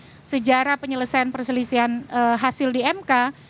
dalam sejarah penyelesaian perselisihan hasil di mk